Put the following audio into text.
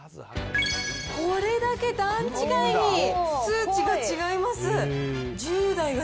これだけ段違いに数値が違います。